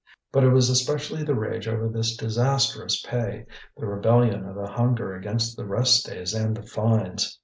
But it was especially the rage over this disastrous pay, the rebellion of hunger against the rest days and the fines.